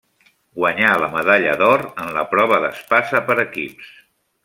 Guanyà la medalla d'or en la prova d'espasa per equips.